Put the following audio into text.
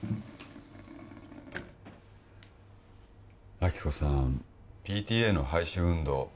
亜希子さんＰＴＡの廃止運動